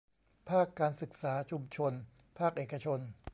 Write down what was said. ภาคการศึกษาชุมชนภาคเอกชน